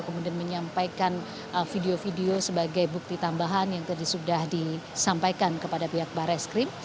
kemudian menyampaikan video video sebagai bukti tambahan yang tadi sudah disampaikan kepada pihak barreskrim